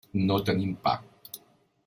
No tenim pa.